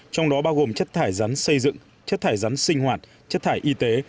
trong đó bao gồm chất thải rắn xây dựng chất thải rắn sinh hoạt chất thải y tế